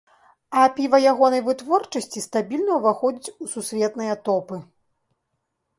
А піва ягонай вытворчасці стабільна ўваходзіць у сусветныя топы.